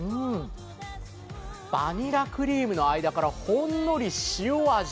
バニラクリームの間からほんのり塩味。